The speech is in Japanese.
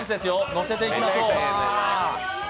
乗せていきましょう。